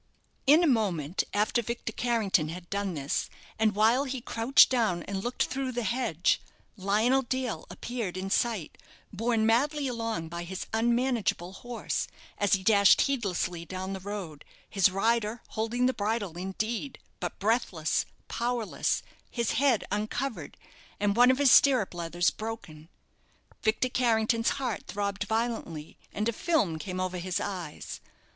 In a moment after Victor Carrington had done this, and while he crouched down and looked through the hedge, Lionel Dale appeared in sight, borne madly along by his unmanageable horse, as he dashed heedlessly down the road, his rider holding the bridle indeed, but breathless, powerless, his head uncovered, and one of his stirrup leathers broken. Victor Carrington's heart throbbed violently, and a film came over his eyes.